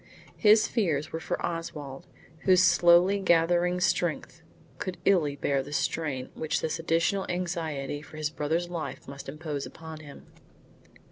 His fears were for Oswald, whose slowly gathering strength could illy bear the strain which this additional anxiety for his brother's life must impose upon him.